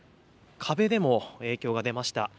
壁でも影響が出ました。